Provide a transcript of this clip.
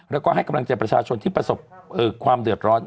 แล้วก็ให้กำลังใจประชาชนที่ประสบความเดือดร้อน